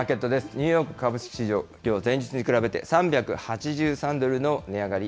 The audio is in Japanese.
ニューヨーク株式市場、きょうは前日に比べて３８３ドルの値上がり。